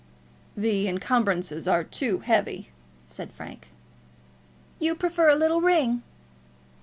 "The encumbrances are too heavy," said Frank. "You prefer a little ring."